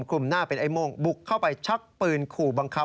กลุ่มหน้าเป็นไอ้โม่งบุกเข้าไปชักปืนขู่บังคับ